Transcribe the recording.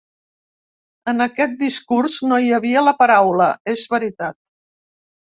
En aquest discurs no hi havia la paraula, és veritat.